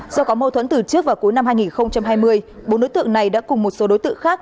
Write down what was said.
do có mâu thuẫn từ trước vào cuối năm hai nghìn hai mươi bốn đối tượng này đã cùng một số đối tượng khác